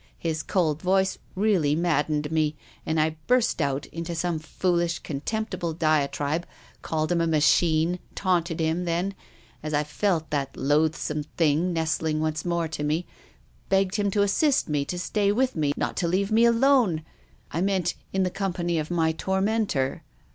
His cold voice really mad dened mc, and I burst out into some foolish, con temptible diatribe, called him a machine, taunted him, then — as I felt that loathsome thing nestling once more to me, — begged him to assist me, to stay with me, not to leave me alone — I meant in the company of my tormentor.